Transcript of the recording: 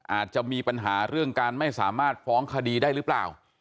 อาจจะมีปัญหาเรื่องการไม่สามารถฟ้องคดีได้หรือเปล่า